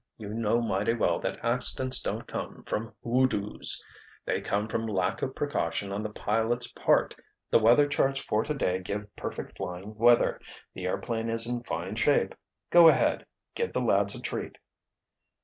You know mighty well that accidents don't come from 'hoodoos'. They come from lack of precaution on the pilot's part. The weather charts for today give perfect flying weather. The airplane is in fine shape. Go ahead—give the lads a treat!"